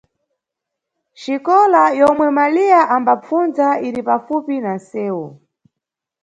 Xikola yomwe Maliya ambapfundza iri pafupi na nʼsewu.